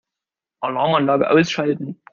Alarmanlage ausschalten.